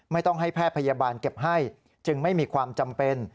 ต้องให้แพทย์พยาบาลเก็บให้จึงไม่มีความจำเป็น